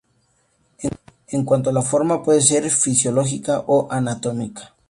En cuanto a la forma puede ser fisiológica o anatómica.